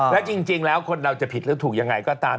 แล้วจริงแล้วคุณเนี่ยคนเราจะผิดแล้วถูกยังไงก็ตาม